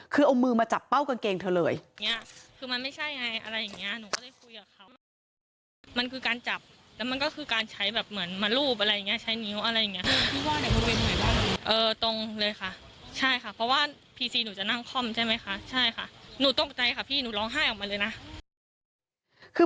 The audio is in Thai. คือเอามือมาจับเป้ากางเกงเธอเลย